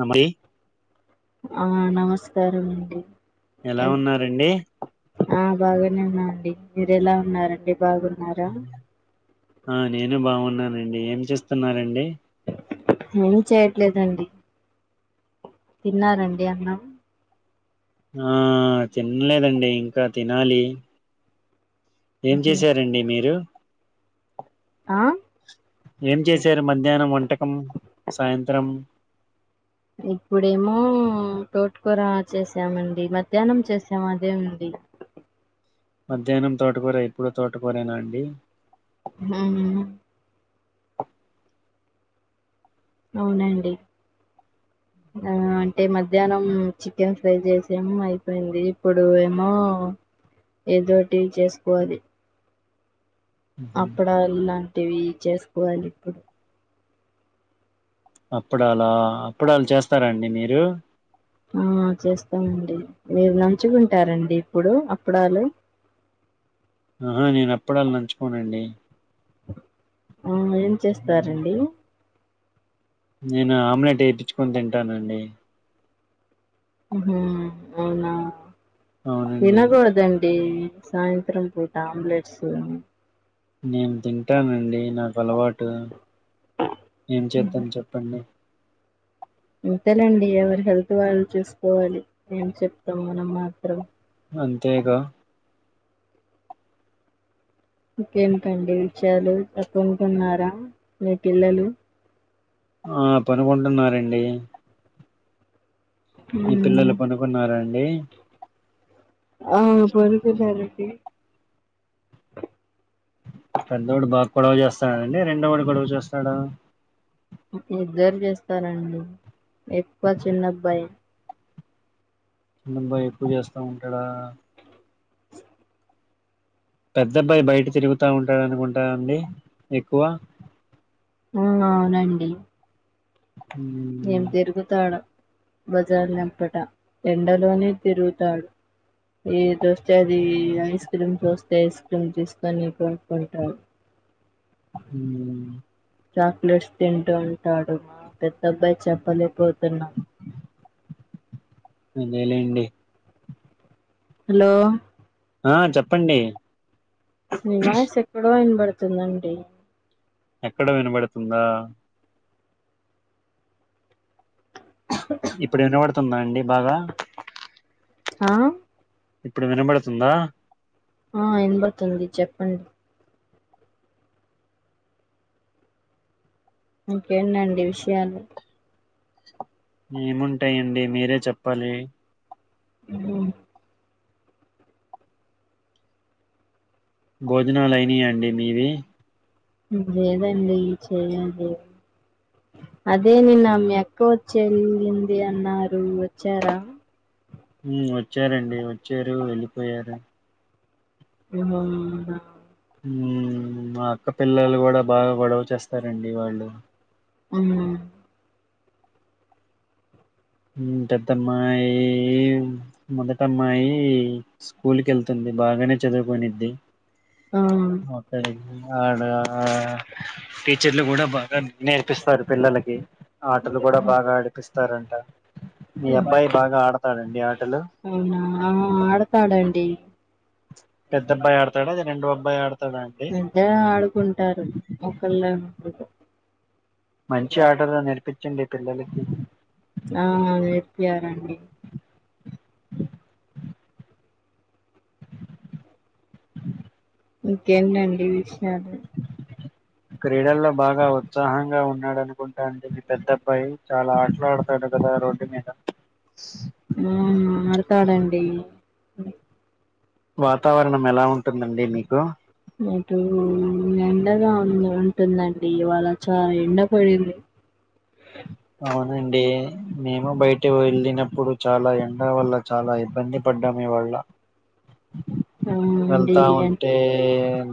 నమరి ఆ నమస్కారం అండి ఎల ఉన్నారండి ఆ బాగున్నమండి మీరు ఎలా ఉన్నారండి బాగున్నార ఆ నేను బాగున్నానండి ఏం చేస్తున్నరండి ఏం చేయట్లేదండి తిన్నారండి అన్నం ఆ ఆ తినలేదండి ఇంక తినాలి ఏం చేశారండి మీరు ఆ ఏం చేశారు మధ్యానం వంటకం సాయంత్రం ఇప్పుడేమో తోటుకూర చేసామండి మధ్యాహ్నం చేస మధ్యానంది మధ్యానం తోటకోర ఇప్పుడు తోటకురేన అండి [unintelligible] అవునండి ఆ అంటే మధ్యానం చికెన్ ఫ్రై చేసము అయిపోయింది ఇప్పుడు ఏమో ఏదోటి చేసుకోవాలి అప్పుడ లాంటివి చేసుకోవాలి ఇప్పుడు అప్పుడాల అప్పుడలు చేస్తారండి మీరు ఆ చేస్తామండి మీరు నంచుకుంటారండి ఇప్పుడు అప్పుడాలు ఆహా నేను అప్పడాలు నంచుకోనండి ఆ ఏం ఉహు. చేస్తారండి నేన ఆమ్లెట్ వేప్పిచుకొని తింటానండి అవునా అవునండి తినకూడదండి సాయంత్రం పూట ఆమ్లెట్స్ నేను తింటానండి నాకు అలవాటు ఏం చేద్దాం చెప్పండి అంతేలేండి ఎవరి హెల్త్ వాళ్ళు చూసుకోవాలి ఏం చెప్తాం మనం మాత్రం అంతేగ ఇంకేంటి అండి విషయాలు [unintelligible] టున్నారా మీ పిల్లలు ఆ పనుకుంటున్నారండి మీ ఉమ్ పిల్లలు పనుకున్నారాండి ఆ పనుకున్నారండి పెద్దోడు బాగ గొడవ చేస్తాడుండి రెండో వాడు గొడవ చేస్తాడ ఇద్దరు చేస్తారండి ఎక్కువ చిన్నఅబ్బాయ్ చిన్న [unintelligible] ఎక్కువ చేస్తా ఉంటాడా పెద్దఅబ్బాయి బయట తిరుగుతా ఉంటాడు అనుకుంటానండి ఎక్కువ ఆ అవునండి హు నేం తిరుగుతాడు బజార్నెంపట ఎండలోనే తిరుగుతాడు ఏది వేస్తే అది ఐస్ క్రీమ్ చూస్తే ఐస్ క్రీమ్ తీసుకొని [unintelligible] హు చాక్లెట్స్ తింటు ఉంటాడు మా పెద్ద అబ్బాయి చెప్పలేపోతున్న అదేలేండి హలో ఆ చెప్పండి ని వాయిస్ ఎక్కడో ఇనబడుతుందండి ఎక్కడో వినబడుతుందా ఇప్పుడు వినపడుతుందా అండి బాగా ఆ ఇప్పుడు వినబడుతుందా ఆ ఇనబడుతుంది చెప్పండి ఇంకెందండి విషయాలు ఏముంటాయండి మీరే చెప్పాలి ఉ భోజనాలు అయినయ అండి మీవి లేదండి చేయాలి అదే నిన్న మీ అక్క వచ్చి వెళ్ళింది అన్నారు వచ్చారా ఉ వచ్చారండి వచ్చారు వెళ్ళిపోయారు హ అవునా [unintelligible] హు మా అక్కపిల్లలు కూడా బాగా గొడవ చేస్తారండి వాళ్ళు ఉ హు పెద్దమ్మాయి మొదటమ్మాయి స్కూల్ కి వెళ్తుంది బాగానే చదువుకున్నిది ఆ ఆ! మొత్తడికి ఆడా టీచర్లు కూడా బాగా నేర్పిస్తారు పిల్లలకి ఆటలు కూడా బాగా ఆడిపిస్తారంట మీ హ్మ్. అబ్బాయి బాగా ఆడతడండి ఆటలు అవునా ఆ ఆడతాడండి పెద్దబ్బాయి అడతడా లేదా రెండో అబ్బాయి ఆడ ఇద్దరు ఆడుకుంటారు ఒకళ్ళు లేకపోతే మంచి ఆటగా నేర్పించండి పిల్లలకి ఆ నేర్పియలండి ఇంకేంటండి విషయాలు [unintelligible] క్రీడల్లో బాగా ఉత్సాహంగా ఉన్నాడు అనుకుంటా అండి మీ పెద్ద అబ్బాయి చాలా ఆటలు ఆడు డాటా కదా రోడ్ మీద ఆవును ఆడతాడండి వాతావరణం ఎలా ఉంటుందండి మీకు ఇటు ఎండగా ఉందిఉంటుందండి ఇవాళ చాలా ఎండ పడింది అవునండి మేము బయట వెళ్ళినప్పుడు చాలా ఎండ వల్ల చాలా ఇబ్బంది పడ్డాం ఇవాళ్ళ అవునండి ఎన్ వెళ్తాఉంటే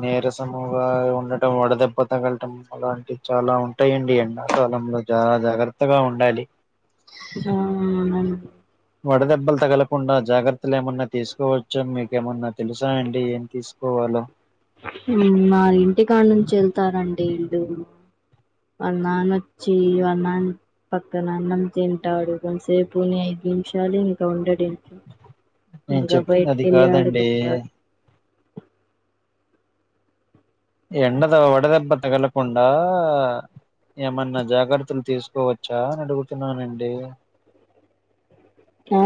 నేర క్కువగా ఉండటం వడదెబ్బ తగలటం అలాంటివి చాలా ఉంటాయండి ఎండాకాలంలో చాలా జాగ్రత్తగా ఉండాలి ఆ [unintelligible] వడదెబ్బలు తగలకుండా జాగ్రత్తలు ఏమన్నా తీసుకోవచ్చ మీకేమన్నా తెలుసా అండి ఏం తీసుకోవాలో [unintelligible] మా ఇంటికాడ్నుంచి వెళ్తారండి ఈళు వాల్ నాన్నొచ్చి వాల్ నాన్న్ పక్క నన్నం తింటాడు కొంసేపు నె ఐదు నిమిషాలు ఇంకా ఉండడి నేను ఉంగా చెప్తుంది అది బయటికెళ్ళి కాదండి ఆడుకుంటా ఎండద వడదెబ్బ తగలకుండా ఏమన్నా జాగర్తలు తీసుకోవచ్చా అనడుగుతున్నానండి ఆ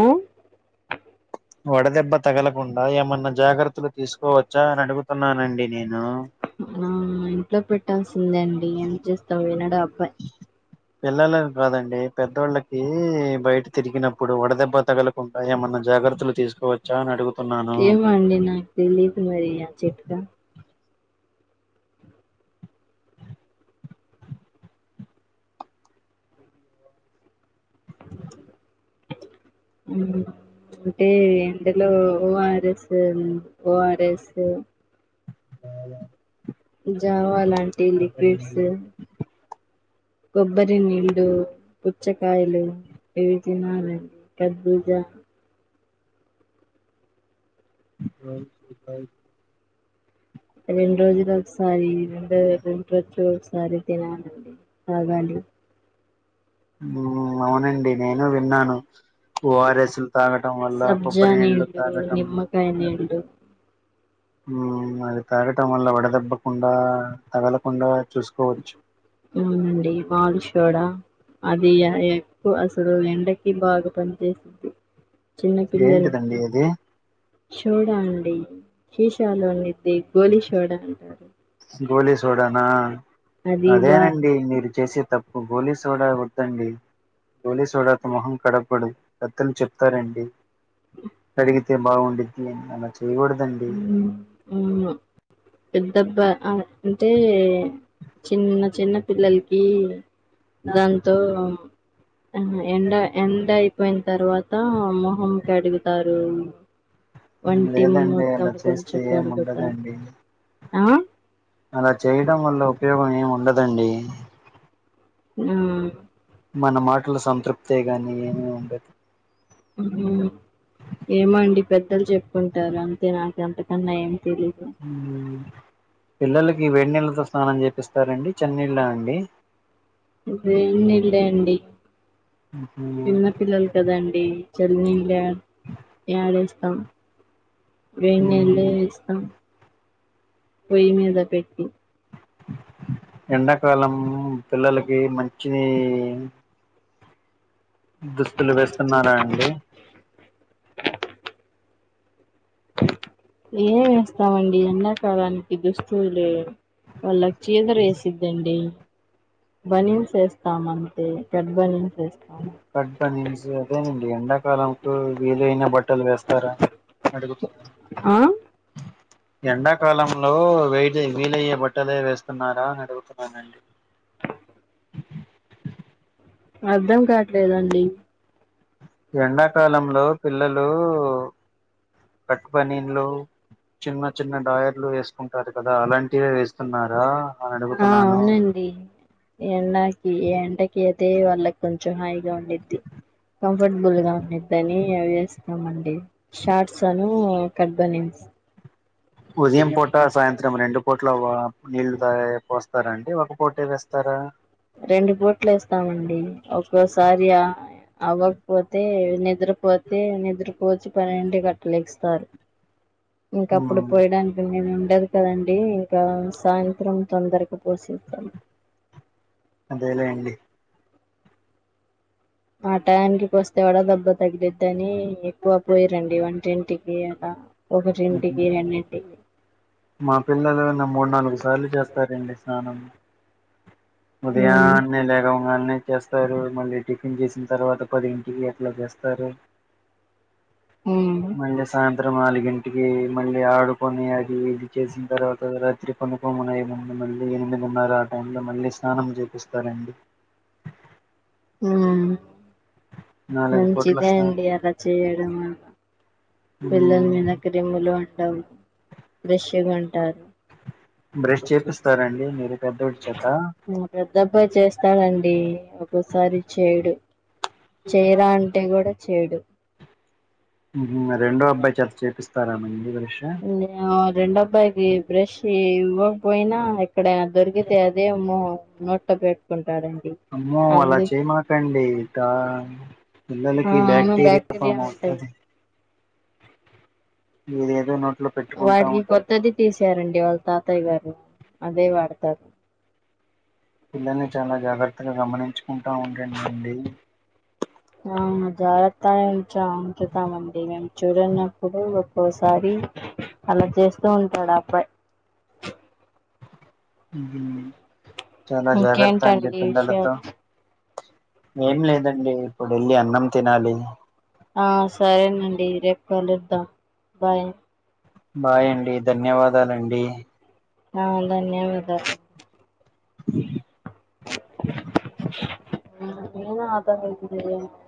వడదెబ్బ తగలకుండా ఏమన్నా జాగర్తలు తీసుకోవచ్చా అనడుగుతున్నానండి నేను ఆ ఇంట్లో పెట్టాల్సిందే అండి ఏం చేస్తావు వినడు అబ్బాయి పిల్లల కాదండి పెద్దోళ్ళకి బయట తిరిగినప్పుడు వడదెబ్బ తగలకుండా ఏమన్నా జాగర్తలు తీసుకోవచ్చా అనడుగుతున్నాను ఏమో అండి నాకు తెలీదు మరి ఆ చిట్కా మ్మ్ అంటే ఎండలో O R S O R S బాలా జావా లాంటి లిక్విడ్స్ కొబ్బరి నీళ్ళ పుచ్చకాయలు ఇవి తినాలడి కద్బుజ రాష్ట్రుపై రెండు రోజుదు ఒకసారి రెండో ఒకసారి తినాలండి అవునండి అవునండి నేను విన్నాను ఓ ఆర్ ఎస్ లు తాగటం వల్ల సబ్జా కొబ్బరి నీళ్లు నీళ్ళు తాగటం నిమ్మకాయ నీళ్ళు మ్మ్ అది తాగటం వల్ల వడదెబ్బకుండా తగలకుండా చూసుకోవచ్చు అవునండి వాళ్ళు షోడ అది ఎక్కువ అసలు ఎండకి బాగా పనిచేసిద్ది చిన్న పిల్లలు ఏంటిదండి అది షోడా అండి షోషోల అన్జెప్పి గోలి షోడా అంటారు గోలీ సోడానా అది అదే బా అండి మీరు చేసే గోలీ సోడా గొట్టండి గోలీ సోడాతో మొహం కడగుడు పెత్తలు చెప్తారండి కడిగితే బాగుండిద్ది అని అనా చేయగూడదని అవును పెద్దబ్బా అంటే చిన్న చిన్న పిల్లల్కి దాంతో ఎండ ఎండ అయిపోయిన తర్వా మొహం కడుగుతారు వంటి లేదండి అలా కొంచెం చేస్తే ఏం కరుగుతా ఉండదండి ఆ అలా చేయడం వల్ల ఉపయోగం ఏముండదండి మ్మ్ మన మాటలు సంతృప్తే గాని ఏమి ఉండదు ఏమండి పెద్దలు చెప్పుకుంటారు అంతే నాకు అంతకన్నా ఏం తెలీదు పిల్లలకి వేడి నీళ్ళతో స్నానం చేపిస్తారండి చెన్నీళ్ళ అండి వేడ్నీళ్ళే అండి మ్మ్. చిన్న పిల్లల్ కదండి చనీళ్ళ యాడేస్తాం వేడి నీళ్లు మ్మ్. వేస్తాం పొయ్యి మీద పెట్టి ఎండాకాలం పిల్లలకి మంచి దుస్తులు వేస్తున్నారా అండి ఏ వేస్తామండి ఎండాకాలానికి దుస్తులే వాళ్ళకు చీదర వేసిదండి బనీన్ చేస్తామండి కట్ బనిన్స్ వేస్తాను కట్ బనిన్స్ అదేనండి ఎండ కాలంలో వీలైన బట్టలు వేస్తారా అడుగుతున్నా ఆ ఎండాకాలంలో వేడి వీలయ్యే బట్టలే వేస్తున్నారా అని అడుగుతున్నానండి అర్ధం కాట్లేదండి ఎండాకాలంలో పిల్లలు కట్ బనీన్లు చిన్న చిన్న డయర్లు వేసుకుంటారు కదా అలాంటివే వేస్తున్నారా అని ఆ అడుగుతున్నాను అవునండి ఎండాకి ఎండకి అయితే వాళ్ళకి కొంచెం హాయిగా ఉండిద్ది కంఫర్టబుల్ గా ఉండిద్దని అవి చేస్తామండి షార్ట్ ఆను కట్ బనిన్స్ ఉదయం పూట సాయంత్రం రెండు పూట్ల నీళ్లు రండి ఒక పూట ఏ వేస్తారా రెండు పట్లు వేస్తామండి ఒక్కోసారి అవ్వకపోతే నిద్ర పోతే నిద్రకు వచ్చి పన్నెండు ఇంటికి అట్లా లెగుస్తారు ఇంక అప్పుడు ఉమ్ పోయడానికి నేను ఉండదు కదండి ఇంకా సాయంత్రం తొందరగా పోసేస్తాను అదే లేండి ఆ టయానికి పోస్తే వడ దెబ్బ తగిలిద్ది అని ఎక్కువ పోయ రండి వ టింటికి అలా ఉహు. ఒకటింటికి రెండింటికి మా పిల్లలున్న మూడు నాలుగు సార్లు చేస్తారండి స్నానం అవును ఉదయాన్నే లెగం కానీ చేస్తారు మళ్ళీ టిఫిన్ చేసిన తర్వాత పది ఇంటికి అట్లా చేస్తారు ఉమ్ మల్ల సాయంత్రం నాలుగు ఇన్ టికి మళ్ళీ ఆడుకొని అది ఇది చేసిన తర్వాత రాత్రి పండుకునే ముందు మళ్ళీ ఎనిమిదిన్నర మళ్ళీ స్నానం చేపిస్తారండి ఆ నాలుగు పూట్ల మంచిదే స్నా అండి అలా చేయడం పిల్లల మీన క్రిమ్ములు ఉండవు ఫ్రెష్ గా ఉంటారు బ్రష్ చేపిస్తారండి మీరు పెద్దోడి చేత పెద్దబ్బాయి చేస్తాడండి ఒక్కోసారి చేయడు చెయ్ రా అంటే కూడా చేయడు రెండో అబ్బాయి చేత చేపిస్తారా అండి బ్రష్ నేను రెండోబ్బాయికి బ్రష్ ఇవ్వకపోయినా ఇక్కడ దొరికితే అదే నో నోట్లో పెట్టుకుంటాడండి అమ్మో అలా అందుకే చేయమకండి ఇకా ఆ పిల్లలకి అవును బ్యాక్టీరియా ఫామ్ ఉంటాయి అవుతుంది మీరు ఏదో నో వాడికి కొత్తది తీసారండి వాళ్ళ తాతయ్య గారు అదే వాడతారు పిల్లల్ని చాలా జాగ్రత్తగా గమనించుకుంటూ ఉండడి అండి అవును జాగ్రత్తగా ఉంచాం ఉంచుతామండి మేము చూడన్నప్పుడు ఒక్కోసారి అలా చేస్తూ ఉంటాడు ఆ అబ్బాయి ఊహూ చాలా జాగ్రత్త అని ఇంకేంటండి చెప్పిండె లత విషయాలు ఏం లేదండి ఇప్పుడెళ్ళి అన్నం తినాలి ఆ సరేనండి రేపు కలుద్దా బాయ్ బాయ్ అండి ధన్యవాదాలండి ఆ ధన్యవాదా [inaudible]